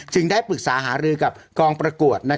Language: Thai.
ได้ปรึกษาหารือกับกองประกวด